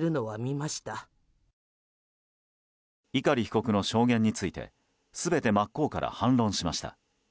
碇被告の証言について全て真っ向から反論しました。